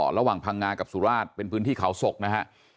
ระหว่างพังงากับสุราชเป็นพื้นที่เขาศกนะฮะ